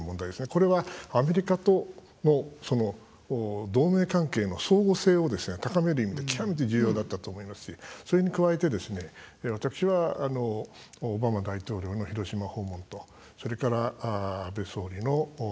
これはアメリカと同盟関係の相互性を高める意味で極めて重要だったと思いますしそれに加えて私はオバマ大統領の広島訪問とそれから、安倍総理の真珠湾訪問。